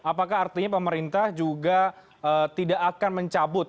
apakah artinya pemerintah juga tidak akan mencabut